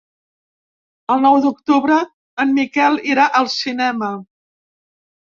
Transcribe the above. El nou d'octubre en Miquel irà al cinema.